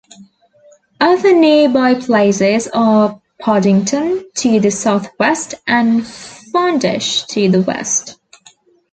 Other nearby places are Podington, to the south-west, and Farndish to the west.